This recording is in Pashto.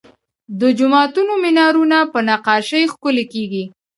د جوماتونو مینارونه په نقاشۍ ښکلي کیږي.